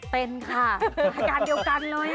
เป็นค่ะอาการเดียวกันเลย